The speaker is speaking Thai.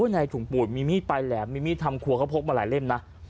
ในถุงปุ่ยมีมีทไปแล้วมีมีททำครัวเขาพกมาหลายเล่มนะ